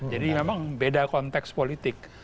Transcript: jadi memang beda konteks politik